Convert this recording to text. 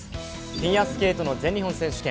フィギュアスケートの全日本選手権。